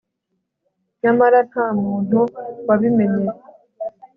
nyamara nta muntu wabimenye